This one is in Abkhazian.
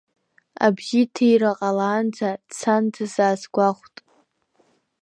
Абжьыҭира ҟалаанӡа дцандаз аасгәахәт.